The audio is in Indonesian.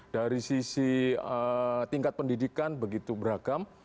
dari sisi tingkat pendidikan begitu beragam